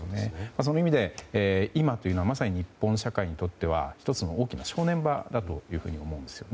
その意味で、今というのはまさに日本社会にとっては１つの大きな正念場だと思うんですね。